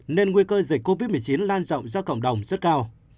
nên nguy cơ dịch covid một mươi chín lan rộng ra cộng đồng rất cao